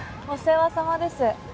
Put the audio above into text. お世話さまです。